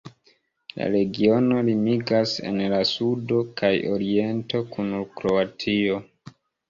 La regiono limigas en la sudo kaj oriento kun Kroatio.